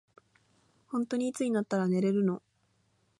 ほんとにいつになったら寝れるの。